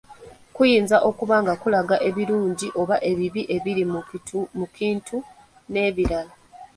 Kuyinza okuba nga kulaga ebirungi oba ebibi ebiri mu kintu n’ebirala.